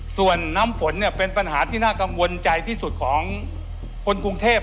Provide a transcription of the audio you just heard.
ส่วนน้ำฝนเนี่ยเป็นปัญหาที่น่ากังวลใจที่สุดของคนกรุงเทพ